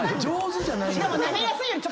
「上手」じゃないねん。